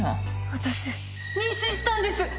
私、妊娠したんです！